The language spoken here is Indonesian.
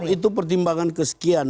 itu pertimbangan kesekian